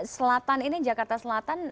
selatan ini jakarta selatan